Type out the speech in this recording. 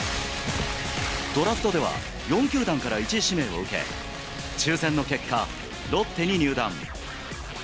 ドラフトでは、４球団から１位指名を受け、抽せんの結果、ロッテに入団。